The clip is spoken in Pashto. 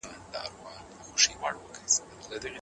موږ بايد د فکري تنوع لپاره زمينه برابره کړو.